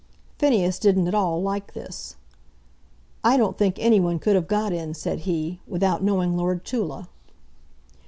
Phineas didn't at all like this. "I don't think any one could have got in," said he, "without knowing Lord Tulla."